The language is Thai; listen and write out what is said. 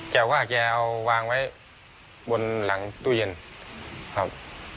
แต่ว่าแกเอาวางไว้บนหลังตู้เย็นครับ